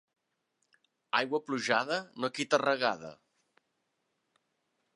Aigua plujada no quita regada.